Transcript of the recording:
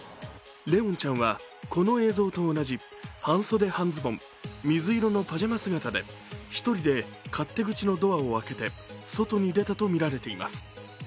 怜音ちゃんはこの映像と同じ半袖半ズボン、水色のパジャマ姿で１人で勝手口のドアを開けて外に出たとみられています。